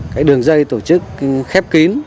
cái đường dây tổ chức khép kín